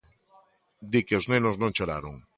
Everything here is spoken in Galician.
Di que os nenos non choraron.